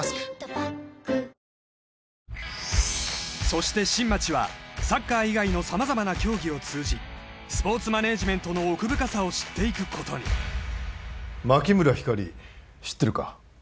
そして新町はサッカー以外の様々な競技を通じスポーツマネージメントの奥深さを知っていくことに牧村ひかり知ってるか？